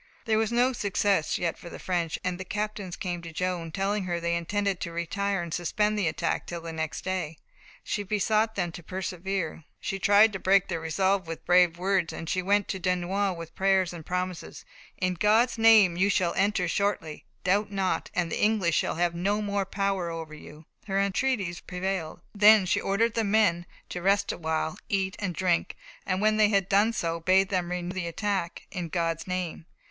There was no success yet for the French, and the captains came to Joan, telling her they intended to retire and suspend the attack until next day. She besought them to persevere. She tried to break their resolve with brave words. She went to Dunois with prayers and promises. "In God's name, you shall enter shortly. Doubt not, and the English shall have no more power over you!" Her entreaties prevailed. Then she ordered the men to rest a while, eat and drink, and when they had done so, bade them renew the attack "in God's name."